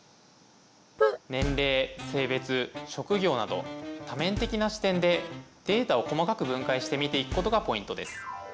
年齢性別職業など多面的な視点でデータを細かく分解して見ていくことがポイントです。